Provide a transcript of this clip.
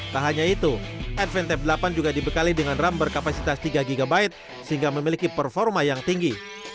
tak hanya itu advantep delapan juga dibekali dengan rum berkapasitas tiga gb sehingga memiliki performa yang tinggi